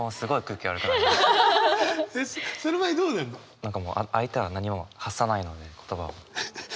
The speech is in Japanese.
何かもう相手は何も発さないので言葉を。